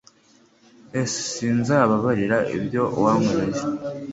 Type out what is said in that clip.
S Sinzababarira ibyo wankoreye